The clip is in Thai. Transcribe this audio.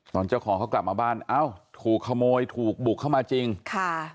เจ้าของเขากลับมาบ้านเอ้าถูกขโมยถูกบุกเข้ามาจริงค่ะ